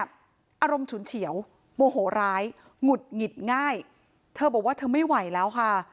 อารมณ์ฉุนเฉียวโมโหร้ายหงุดหงิดง่ายเธอบอกว่าเธอไม่ไหวแล้วค่ะ